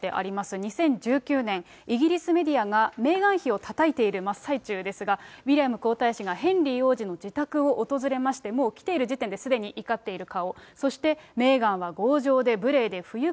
２０１６年、イギリスメディアが、メーガン妃をたたいている真っ最中ですが、ウィリアム皇太子がヘンリー王子の自宅を訪れまして、もう来ている時点ですでに怒っている顔。